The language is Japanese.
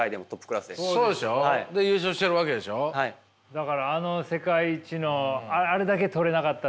だからあの世界一のあれだけ取れなかったっていう。